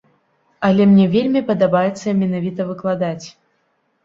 Але мне вельмі падабаецца менавіта выкладаць.